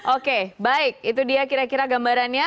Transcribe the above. oke baik itu dia kira kira gambarannya